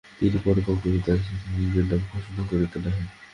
তিনি পরোপকার করিতে আসিয়াছিলেন, নিজের নাম ঘোষণা করিতে নহে।